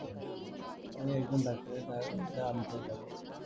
আমি একজন ডাক্তারের আনতে পাঠাবো।